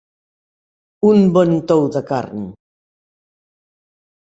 Un bon tou de carn.